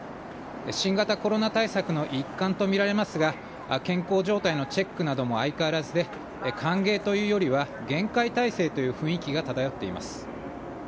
新型コロナ対策の一環と見られますが、健康状態のチェックなども相変わらずで、歓迎というよりは、厳戒態勢という雰囲気が漂っています。